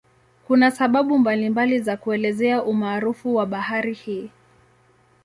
Kuna sababu mbalimbali za kuelezea umaarufu wa bahari hii.